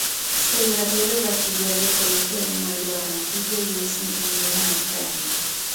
Se graduó de bachiller del Colegio Alemán de Barranquilla y es ingeniera mecánica.